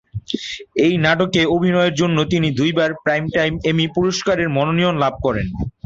এই নাটকে অভিনয়ের জন্য তিনি দুইবার প্রাইমটাইম এমি পুরস্কারের মনোনয়ন লাভ করেন।